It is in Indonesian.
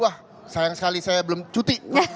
wah sayang sekali saya belum cuti